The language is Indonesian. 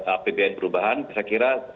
apbn perubahan saya kira